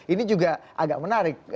ini juga agak menarik